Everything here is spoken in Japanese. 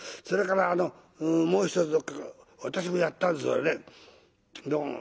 それからもう一つ私もやったんですがね